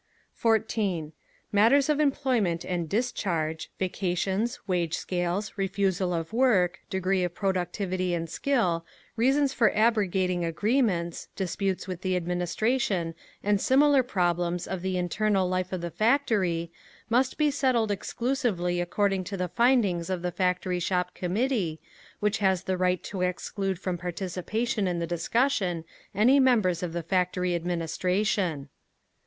14. Matters of employment and discharge, vacations, wage scales, refusal of work, degree of productivity and skill, reasons for abrogating agreements, disputes with the administration, and similar problems of the internal life of the factory, must be settled exclusively according to the findings of the Factory Shop Committee, which has the right to exclude from participation in the discussion any members of the factory administration.